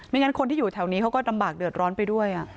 งั้นคนที่อยู่แถวนี้เขาก็ลำบากเดือดร้อนไปด้วย